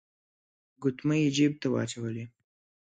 ګوتمۍ يې جيب ته واچولې.